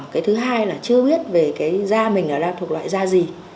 cái thứ hai là chưa biết về cái da mình là thuộc loại da gì